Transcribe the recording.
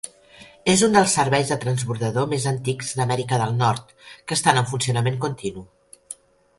És un dels serveis de transbordador més antics d'Amèrica del Nord que estan en funcionament continu.